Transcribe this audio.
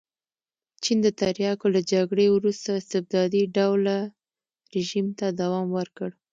چین د تریاکو له جګړې وروسته استبدادي ډوله رژیم ته دوام ورکړ.